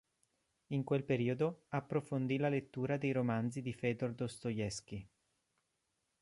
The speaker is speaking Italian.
In quel periodo, approfondì la lettura dei romanzi di Fëdor Dostoevskij.